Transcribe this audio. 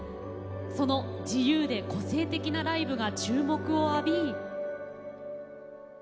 その自由で個性的なライブが注目を浴び。